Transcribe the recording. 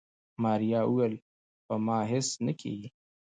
ماريا وويل په ما هيڅ نه کيږي.